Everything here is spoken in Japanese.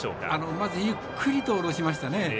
まず、ゆっくりと下ろしましたね。